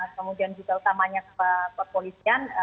kemudian juga utamanya kepada polisian